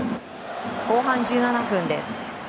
後半１７分です。